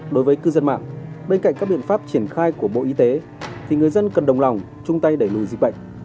đối với cư dân mạng bên cạnh các biện pháp triển khai của bộ y tế thì người dân cần đồng lòng chung tay đẩy lùi dịch bệnh